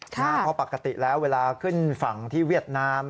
เพราะปกติแล้วเวลาขึ้นฝั่งที่เวียดนาม